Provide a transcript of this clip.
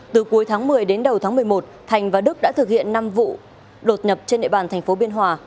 từ cuối tháng một mươi đến đầu tháng một mươi một thành và đức đã thực hiện năm vụ đột nhập trên địa bàn thành phố biên hòa